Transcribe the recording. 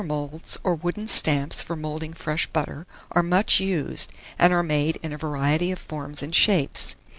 Butter moulds, or wooden stamps for moulding fresh butter, are much used, and are made in a variety of forms and shapes.